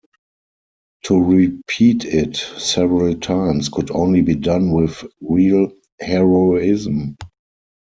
To repeat it several times could only be done with real heroism.